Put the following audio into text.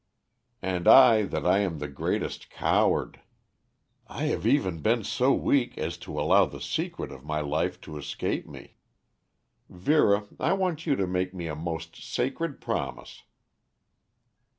"And I that I am the greatest coward. I have even been so weak as to allow the secret of my life to escape me. Vera, I want you to make me a most sacred promise."